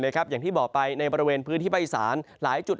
อย่างที่บอกไปในบริเวณพื้นที่ภาคอีสานหลายจุด